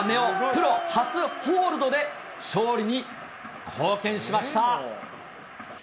プロ初ホールドで、勝利に貢献しました。